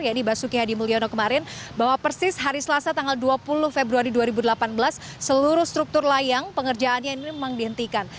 jadi basuki hadi mulyono kemarin bahwa persis hari selasa tanggal dua puluh februari dua ribu delapan belas seluruh struktur layang pengerjaannya ini memang dihentikan